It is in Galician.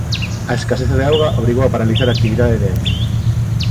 A escaseza de auga obrigou a paralizar a actividade de Ence.